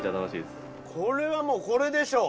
これはもうこれでしょう！